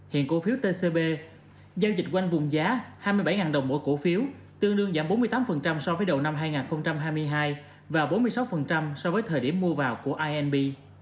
hiện cổ phiếu tcb giao dịch quanh vùng giá hai mươi bảy đồng mỗi cổ phiếu tương đương giảm bốn mươi tám so với đầu năm hai nghìn hai mươi hai và bốn mươi sáu so với thời điểm mua vào của inb